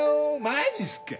マジっすか！？